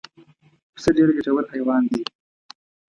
پسه ډېر ګټور حیوان دی.